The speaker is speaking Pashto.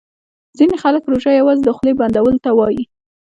ځیني خلګ روژه یوازي د خولې بندولو ته وايي